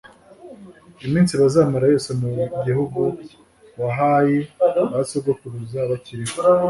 iminsi bazamara yose mu gihugu wahaye ba sogokuruza bakiriho